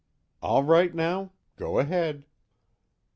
_All right now? Go ahead!